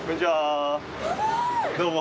どうも。